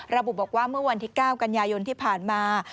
ระบุบอกว่าเมื่อวันที่๙กันยายนที่ผ่านมา